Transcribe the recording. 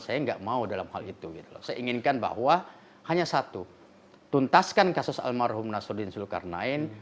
saya nggak mau dalam hal itu saya inginkan bahwa hanya satu tuntaskan kasus almarhum nasruddin zulkarnain